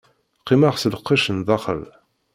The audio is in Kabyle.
Qqimeɣ s lqecc n daxel.